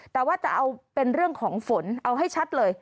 แต่ว่าจะเอาเป็นเรื่องของฝนเอาให้ชัดเลย